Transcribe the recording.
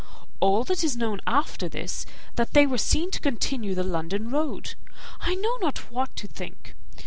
All that is known after this is, that they were seen to continue the London road. I know not what to think.